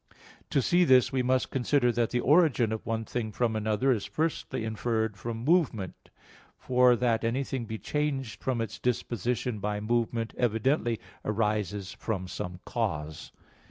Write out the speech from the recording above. To see this, we must consider that the origin of one thing from another is firstly inferred from movement: for that anything be changed from its disposition by movement evidently arises from some cause.